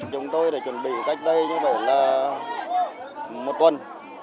chúng tôi đã chuẩn bị cách đây như vậy là một tuần